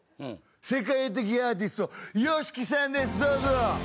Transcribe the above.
世界的アーティストＹＯＳＨＩＫＩさんですどうぞ！